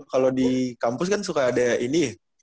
kalau di kampus kan suka ada ini ya